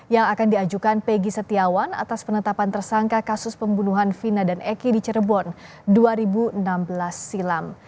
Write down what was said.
yang akan diajukan pegi setiawan atas penetapan tersangka kasus pembunuhan vina dan eki di cirebon dua ribu enam belas silam